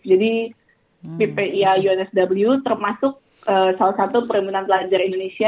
jadi ppia unsw termasuk salah satu perhimpunan pelajar indonesia